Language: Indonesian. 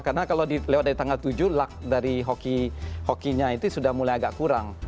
karena kalau lewat dari tanggal tujuh luck dari hokinya itu sudah mulai agak kurang